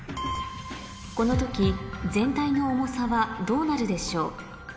この時全体の重さはどうなるでしょう？